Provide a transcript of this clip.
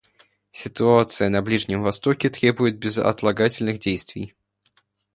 Ситуация на Ближнем Востоке требует безотлагательных действий.